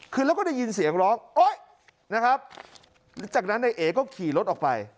คือแล้วก็ได้ยินเสียงร้องโอ๊ยนะครับจากนั้นนายเอก็ขี่รถออกไป